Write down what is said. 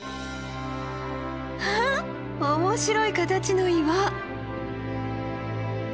わあ面白い形の岩！